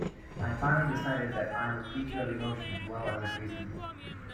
I finally decided that I'm a creature of emotion as well as of reason.